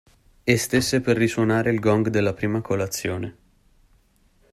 E stesse per risuonare il gong della prima colazione.